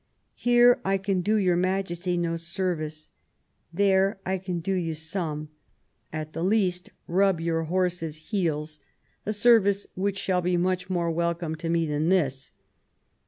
Here I can do your Majesty no service ; there I can do you some, at the least, rub your horses* heels — a service which shall be much more welcome to me than this."